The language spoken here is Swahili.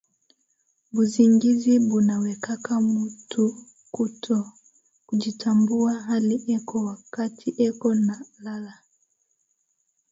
Busingizi buna wekaka mutu kuto kujitambuwa ali eko wakati eko na lala